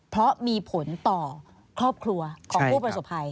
เพราะมีผลต่อครอบครัวของผู้ประสบภัย